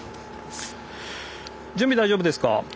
準備大丈夫ですか？